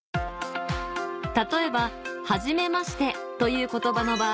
例えば「はじめまして」という言葉の場合